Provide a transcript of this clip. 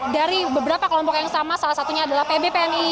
dari beberapa kelompok yang sama salah satunya adalah pbpni